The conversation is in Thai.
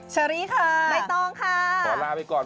ฉลีค่ะไม่ต้องค่ะขอลาไปก่อน